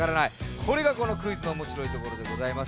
これがこのクイズのおもしろいところでございます。